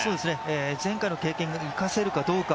前回の経験を生かせるかどうか。